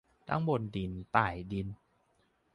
ทั้งบนดินใต้ดิน